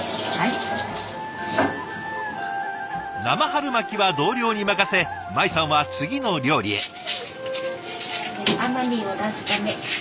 生春巻きは同僚に任せ舞さんは次の料理へ。